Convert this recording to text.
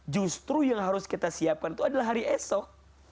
justru yang harus kita siapkan itu adalah hari esok